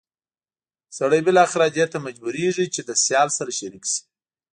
سړی بالاخره دې ته مجبورېږي چې له سیال سره شریک شي.